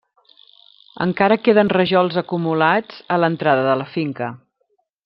Encara queden rajols acumulats a l'entrada de la finca.